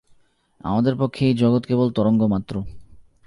আমাদের পক্ষে এই জগৎ কেবল তরঙ্গ মাত্র।